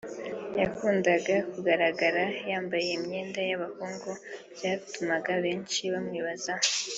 yakundaga kugaragara yambaye imyenda y’abahungu byatumaga benshi bamwibazaho